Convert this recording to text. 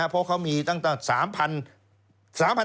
เพราะเขามีตั้งแต่๓๕